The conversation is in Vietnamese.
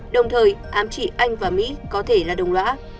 đồng thời ám chỉ anh và mỹ có thể là đồng lõa